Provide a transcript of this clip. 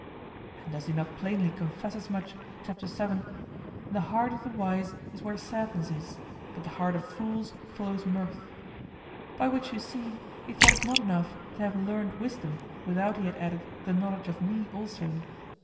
And does he not plainly confess as much, Chapter 7, "The heart of the wise is where sadness is, but the heart of fools follows mirth"? by which you see, he thought it not enough to have learned wisdom without he had added the knowledge of me also.